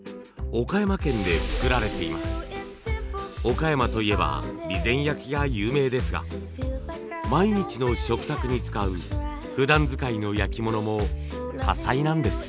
岡山といえば備前焼が有名ですが毎日の食卓に使うふだん使いの焼き物も多彩なんです。